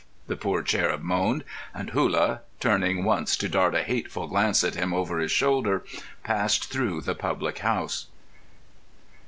the poor cherub moaned; and Hullah, turning once to dart a hateful glance at him over his shoulder, passed through the public house.